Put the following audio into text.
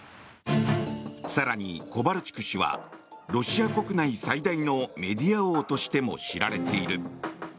更にコバルチュク氏はロシア国内最大のメディア王としても知られている。